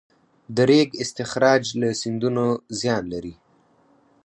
د ریګ استخراج له سیندونو زیان لري؟